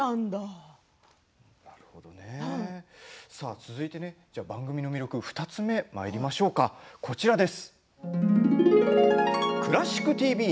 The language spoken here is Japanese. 続いて番組の魅力２つ目まいりましょうこちらです。